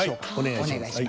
お願いします。